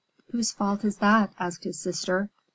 "Whose fault is that?" asked his sister.